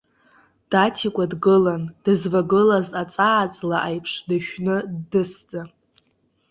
Даҭикәа дгылан, дызвагылаз аҵааҵла аиԥш дышәны, ддысӡа.